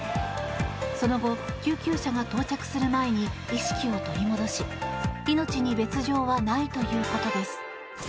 その後、救急車が到着する前に意識を取り戻し命に別条はないということです。